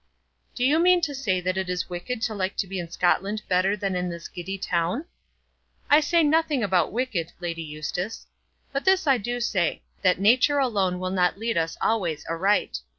"Do you mean to say that it is wicked to like to be in Scotland better than in this giddy town?" "I say nothing about wicked, Lady Eustace; but this I do say, that nature alone will not lead us always aright.